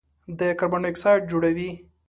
د کاربن ډای اکسایډ جوړوي.